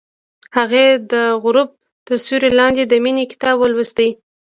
هغې د غروب تر سیوري لاندې د مینې کتاب ولوست.